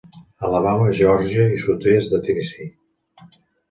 Alabama, Geòrgia i sud-est de Tennessee.